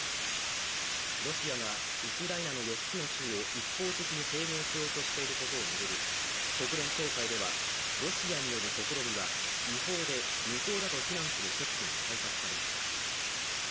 ロシアがウクライナの４つの州を一方的に併合しようとしていることを巡り国連総会では、ロシアによる試みは違法で無効だと非難する決議が採択されました。